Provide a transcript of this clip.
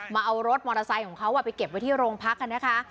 มาเอารถมอเตอร์ไซค์ของเขาไปเก็บไว้ที่โรงพักกันนะคะ